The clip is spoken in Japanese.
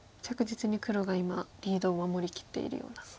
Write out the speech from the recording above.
着実に黒が今リードを守りきっているような。